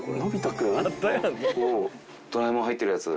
ドラえもん入ってるやつ。